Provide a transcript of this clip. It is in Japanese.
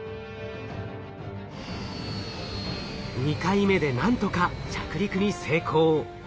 ２回目で何とか着陸に成功。